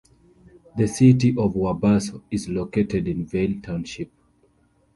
The city of Wabasso is located in Vail Township.